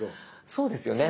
そうですよね。